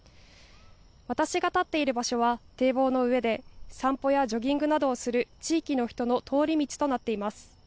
私が立っている場所は堤防の上で散歩やジョギングなどをする地域の人の通り道となっています。